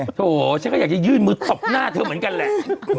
โถฉันก็อยากจะยื่นมือตบหน้าเธอเหมือนกันแหละ